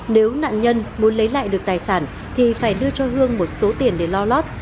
nếu nạn nhân muốn lấy lại được tài sản thì phải đưa cho hương một số tiền để lo lót